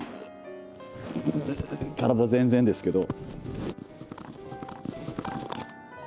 体全然ですけど。